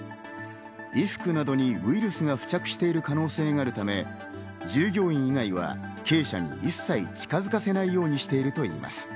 衣服などにウイルスが付着している可能性があるため、従業員以外は鶏舎に一切近づかせないようにしているといいます。